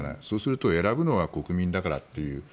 そうすると選ぶのは国民だからという。